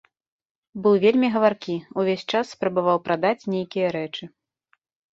Быў вельмі гаваркі, увесь час спрабаваў прадаць нейкія рэчы.